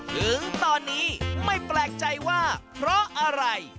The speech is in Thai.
ถึงตอนนี้ไม่แปลกใจว่าเพราะอะไร